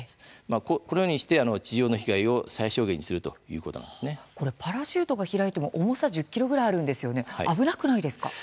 このようにして地上の被害をパラシュートが開いても重さは１０ｋｇくらいあるんですよね、危なくないですか。